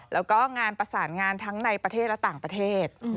แล้วก็งานประสานงานทั้งในประเทศและต่างประเทศ